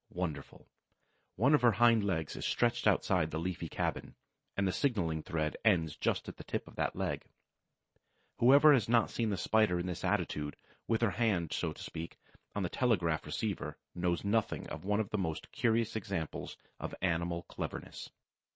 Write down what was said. Wonderful! One of her hind legs is stretched outside the leafy cabin; and the signaling thread ends just at the tip of that leg. Whoever has not seen the Spider in this attitude, with her hand, so to speak, on the telegraph receiver, knows nothing of one of the most curious examples of animal cleverness.